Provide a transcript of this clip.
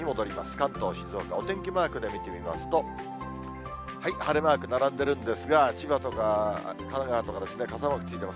関東、静岡、お天気マークで見てみますと、晴れマーク並んでるんですが、千葉とか神奈川とか、傘マークついてます。